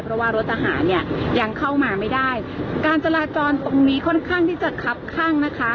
เพราะว่ารถทหารเนี่ยยังเข้ามาไม่ได้การจราจรตรงนี้ค่อนข้างที่จะคับข้างนะคะ